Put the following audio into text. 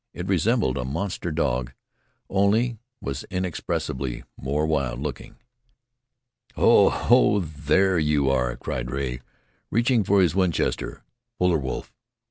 It resembled a monster dog, only it was inexpressibly more wild looking. "Ho! Ho! there you are!" cried Rea, reaching for his Winchester. "Polar wolf!